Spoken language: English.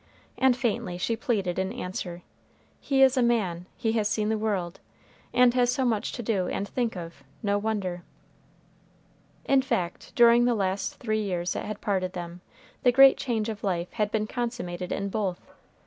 And faintly she pleaded, in answer, "He is a man he has seen the world and has so much to do and think of, no wonder." In fact, during the last three years that had parted them, the great change of life had been consummated in both.